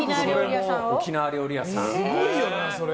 すごいよな、それ。